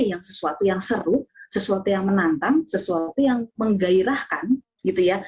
yang sesuatu yang seru sesuatu yang menantang sesuatu yang menggairahkan gitu ya